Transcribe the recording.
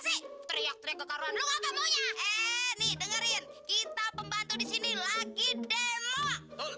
setengah sedang tumpah wajib tua sayang